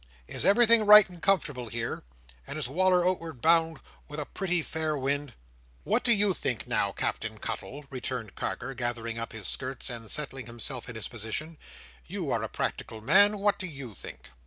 —Is everything right and comfortable here, and is Wal"r out'ard bound with a pretty fair wind?" "What do you think now, Captain Cuttle?" returned Carker, gathering up his skirts and settling himself in his position. "You are a practical man; what do you think?"